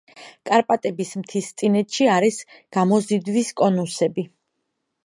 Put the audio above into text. კარპატების მთისწინეთში არის გამოზიდვის კონუსები.